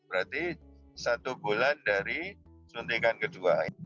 berarti satu bulan dari suntikan kedua